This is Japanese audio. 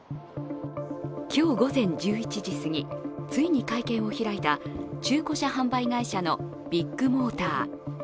今日午前１１時すぎ、ついに会見を開いた中古車販売会社のビッグモーター。